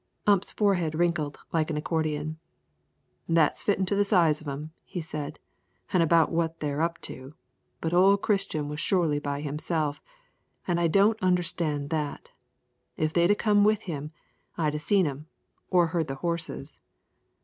Ump's forehead wrinkled like an accordion. "That's fittin' to the size of 'em," he said, "an' about what they're up to. But old Christian was surely by himself, an' I don't understand that. If they'd a come with him, I'd a seen 'em, or a heard the horses."